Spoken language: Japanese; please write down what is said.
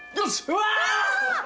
うわ！